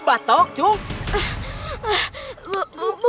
ada apa sih